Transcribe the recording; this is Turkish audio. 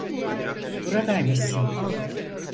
Buradaymışsın.